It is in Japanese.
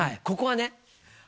ここはね